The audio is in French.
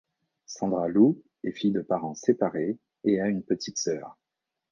Sandra Lou est fille de parents séparés et a une petite sœur.